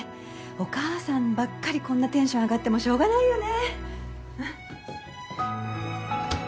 お母さんばっかりこんなテンション上がってもしょうがないよね